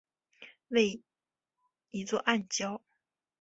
为一座暗礁。